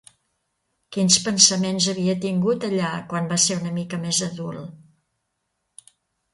Quins pensaments havia tingut allà quan va ser una mica més adult?